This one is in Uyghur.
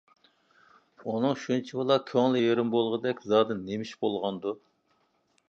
ئۇنىڭ شۇنچىۋالا كۆڭلى يېرىم بولغۇدەك زادى نېمىش بولغاندۇ؟